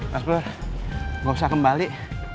mas pur gak usah kembali